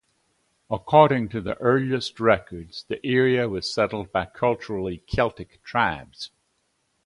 According to the earliest records, the area was settled by culturally Celtic tribes.